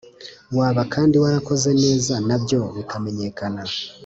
Waba kandi warakoze neza na byo bikamenyekana